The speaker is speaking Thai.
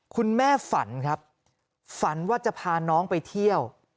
ฝันครับฝันว่าจะพาน้องไปเที่ยว